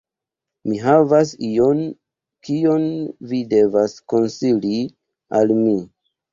Mi havas ion kion vi devas konsili al mi